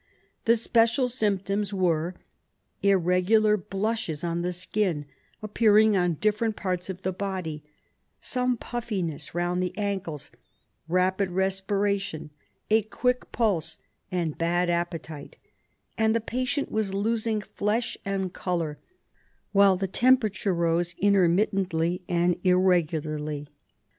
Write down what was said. The special symptoms were irregular blushes on the skin, appearing on different parts of the body, some puffiness round the ankles, rapid respiration, a quick pulse and bad appetite, and the patient was losing flesh and colour, while the temperature rose intermittently and irregularly.